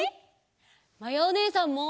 まやおねえさんも！